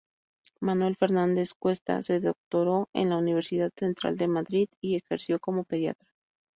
Manuel Fernández-Cuesta se doctoró en la Universidad Central de Madrid y ejerció como pediatra.